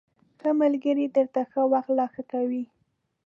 ښه ملگري درته ښه وخت لا ښه کوي